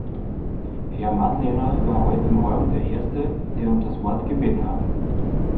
Herr Madlener war heute Morgen der erste, der um das Wort gebeten hat.